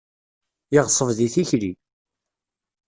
Yeɣṣeb di tikli.